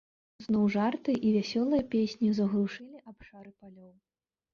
Зноў жарты і вясёлыя песні заглушылі абшары палёў.